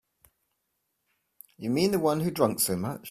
You mean the one who drank so much?